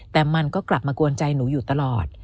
แต่มันก็กลับมากวนใจหนูอยู่ตลอด